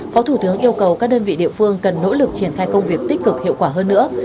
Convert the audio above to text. phó thủ tướng yêu cầu các đơn vị địa phương cần nỗ lực triển khai công việc tích cực hiệu quả hơn nữa